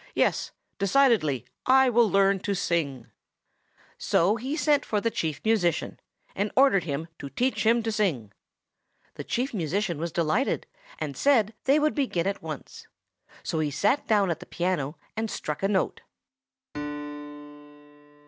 Yes, decidedly, I will learn to sing." "Take this man and behead him!" said the King. So he sent for the Chief Musician, and ordered him to teach him to sing. The Chief Musician was delighted, and said they would begin at once. So he sat down at the piano, and struck a note.